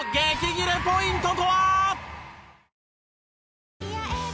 ギレポイントとは？